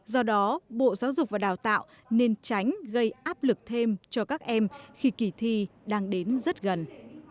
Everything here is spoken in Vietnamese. do đó bộ giáo dục và đào tạo nên tránh gây áp lực thêm cho các em khi kỳ thi đang đến rất gần